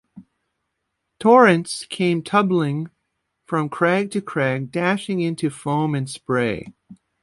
Torrents came tumbling from crag to crag, dashing into foam and spray.